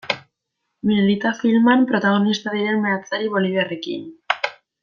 Minerita filman protagonista diren meatzari boliviarrekin.